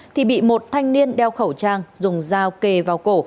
thì bị một thanh niên đeo khẩu trang dùng dao kề vào cổ